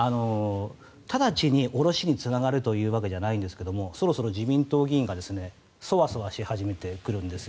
直ちに降ろしにつながるというわけではないですがそろそろ自民党議員がそわそわし始めてくるんです。